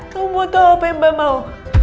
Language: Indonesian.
kamu mau tau apa yang mbak mau